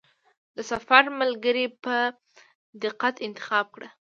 د سفر ملګری په دقت انتخاب کړه.